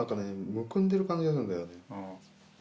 むくんでる感じがするんだよね